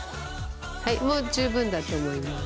はいもう十分だと思います。